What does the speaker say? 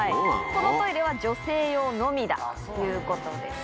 このトイレは女性用のみだということです。